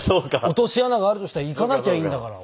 落とし穴があるとしたら行かなきゃいいんだから。